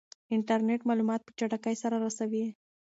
انټرنیټ معلومات په چټکۍ سره رسوي.